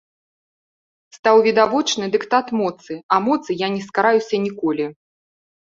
Стаў відавочны дыктат моцы, а моцы я не скараюся ніколі.